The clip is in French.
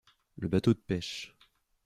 Le bateau de pêche.